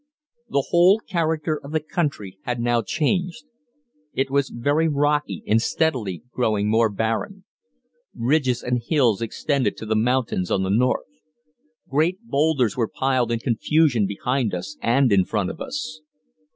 The whole character of the country had now changed. It was very rocky and steadily growing more barren. Ridges and hills extended to the mountains on the north. Great boulders were piled in confusion behind us and in front of us.